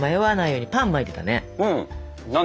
うん。